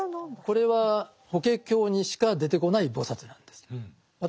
これは「法華経」にしか出てこない菩薩なんです。